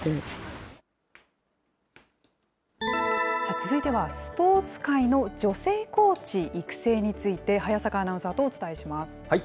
続いてはスポーツ界の女性コーチ育成について、早坂アナウンサーとお伝えします。